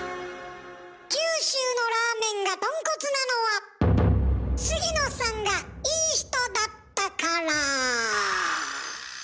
九州のラーメンがとんこつなのは杉野さんがいい人だったから。